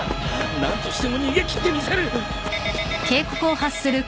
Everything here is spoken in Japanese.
何としても逃げ切ってみせる。